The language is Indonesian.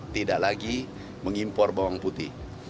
tidak lagi mengimpor bawang putih